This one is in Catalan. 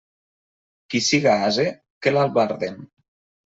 Qui siga ase, que l'albarden.